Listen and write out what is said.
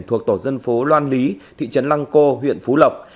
thuộc tổ dân phố loan lý thị trấn lang co huyện phú lộc